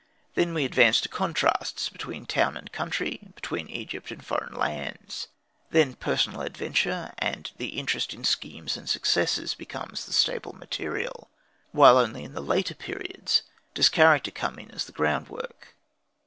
Then we advance to contrasts between town and country, between Egypt and foreign lands. Then personal adventure, and the interest in schemes and successes, becomes the staple material; while only in the later periods does character come in as the groundwork.